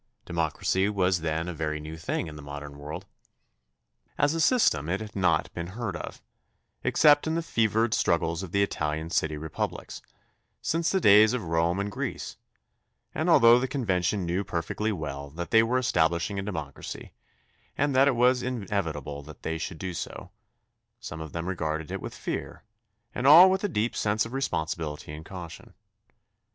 Democracy was then a very new thing in the modern world. As a system it had not been heard of, except in the fevered struggles of the Italian city republics, since the days of Rome and Greece, and although the convention knew perfectly well that they were estab lishing a democracy and that it was inevitable that they should do so, some of them regarded it with fear and all with a deep sense of responsibility and caution.